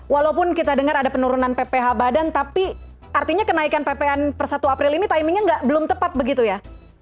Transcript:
walaupun kita dengar ada penurunan pph badan tapi artinya kenaikan ppn per satu april ini timingnya belum tepat begitu ya